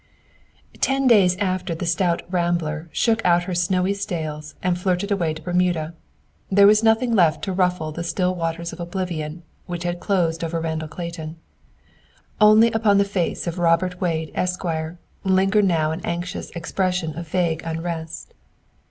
Ten days after the stout "Rambler" shook out her snowy sails and flitted away to Bermuda, there was nothing left to ruffle the still waters of oblivion which had closed over Randall Clayton. Only upon the face of Robert Wade, Esq., lingered now an anxious expression of vague unrest.